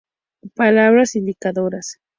Palabras indicadoras.